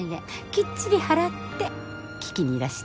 きっちり払って聞きにいらして。